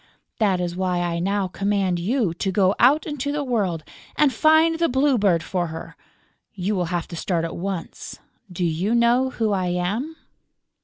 That is why I now command you to go out into the world and find the Blue Bird for her. You will have to start at once.... Do you know who I am?"